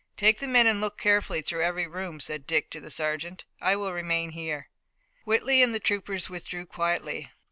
"Take the men and look carefully through every room," said Dick to the sergeant. "I will remain here." Whitley and the troopers withdrew quietly.